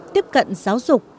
tiếp cận giáo dục